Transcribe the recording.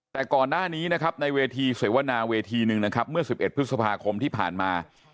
แต่ก่อนหน้านี้ในเวทีสวยวนาเวทีนึงเมื่อ๑๑พฤษภาคมที่ผ่านมา